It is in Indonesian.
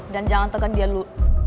dan jangan tekan dia dulu